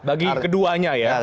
bagi keduanya ya